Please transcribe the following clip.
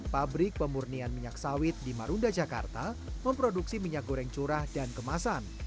pabrik pemurnian minyak sawit di marunda jakarta memproduksi minyak goreng curah dan kemasan